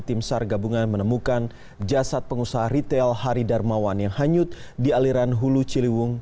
tim sar gabungan menemukan jasad pengusaha ritel hari darmawan yang hanyut di aliran hulu ciliwung